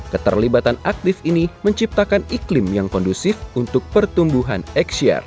keterlibatan aktif ini menciptakan iklim yang kondusif untuk pertumbuhan eksiar